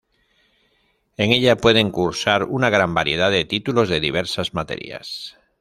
En ella pueden cursar una gran variedad de títulos de diversas materias.